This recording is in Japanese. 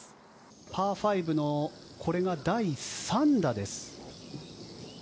パー５の、これが第３打です。